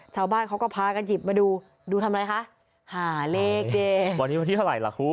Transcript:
ชาวบ้านเขาก็พากันหยิบมาดูดูทำอะไรคะหาเลขเดย์วันนี้วันที่เท่าไหร่ล่ะคุณ